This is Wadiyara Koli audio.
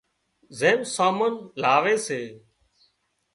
زم سامان لاوي سي